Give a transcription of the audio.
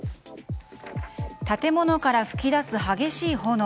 建物から噴き出す激しい炎。